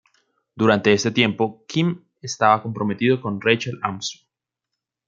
Durante este tiempo Kym está comprometido con Rachel Armstrong.